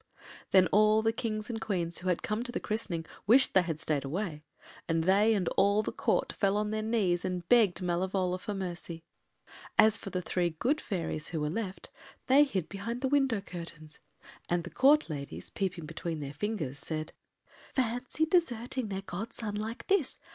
” Then all the Kings and Queens who had come to the christening wished they had stayed away, and they and all the Court fell on their knees and begged Malevola for mercy. As for the three good fairies who were left, they hid behind the window curtains, and the Court ladies, peeping between their fingers, said— “Fancy deserting their godson like this!